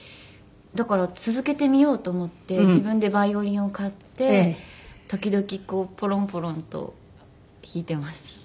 だから続けてみようと思って自分でバイオリンを買って時々ポロンポロンと弾いています。